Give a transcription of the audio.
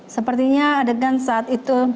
sepertinya adegan saat itu